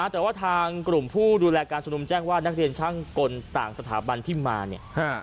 แต่ว่าทางกลุ่มผู้ดูแลการชุมนุมแจ้งว่านักเรียนช่างกลต่างสถาบันที่มาเนี่ย